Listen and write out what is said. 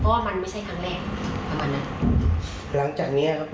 เพราะว่ามันไม่ใช่ครั้งแรกประมาณนั้นหลังจากเนี้ยครับ